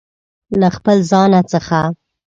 له خپل ځانه څخه